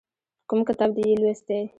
کوم کتاب دې یې لوستی؟